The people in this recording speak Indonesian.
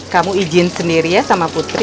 kamu izin sendiri ya sama putri